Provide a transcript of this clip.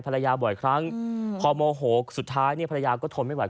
ภรรยาบ่อยครั้งพอโมโหสุดท้ายภรรยาก็ทนไม่ไหว